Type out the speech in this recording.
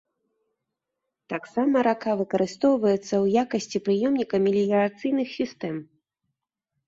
Таксама рака выкарыстоўваецца ў якасці прыёмніка меліярацыйных сістэм.